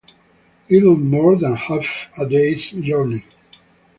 Little more than half a day's journey.